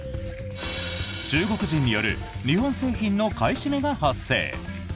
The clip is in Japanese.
中国人による日本製品の買い占めが発生。